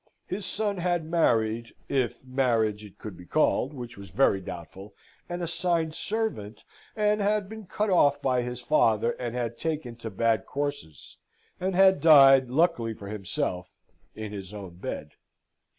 His son had married if marriage it could be called, which was very doubtful an assigned servant, and had been cut off by his father, and had taken to bad courses, and had died, luckily for himself, in his own bed.